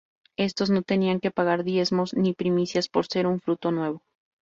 Estos no tenían que pagar diezmos ni primicias por ser un fruto nuevo.